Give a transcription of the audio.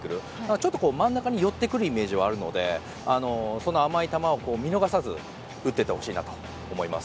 ちょっと真ん中に寄ってくるイメージがあるのでその甘い球を見逃さず打っていってほしいと思います。